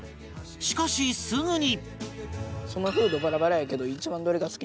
しかしすぐに